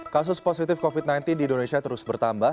kasus positif covid sembilan belas di indonesia terus bertambah